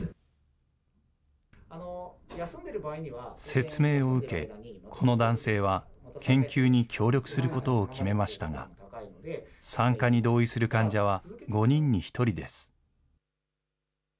説明を受け、この男性は研究に協力することを決めましたが、参加に同意する患者は５人に１人です。